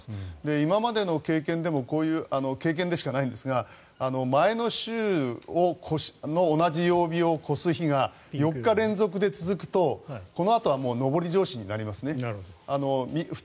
今までの経験でも経験でしかないんですが前の週の同じ曜日を超す日が４日連続で続くとこのあとはもう上り調子になりますね。